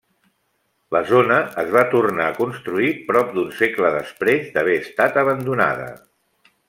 La zona es va tornar a construir prop d'un segle després d'haver estat abandonada.